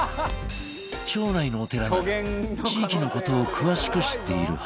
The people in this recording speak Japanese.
町内のお寺なら地域の事を詳しく知っているはず